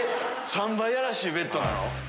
３倍やらしいベッドなの？